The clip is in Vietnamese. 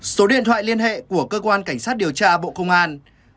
số điện thoại liên hệ của cơ quan cảnh sát điều tra bộ công an